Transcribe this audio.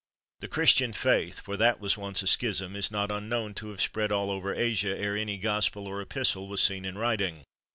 The Christian faith, for that was once a schism, is not unknown to have spread all over Asia, ere any Gospel or Epistle was seen in writing.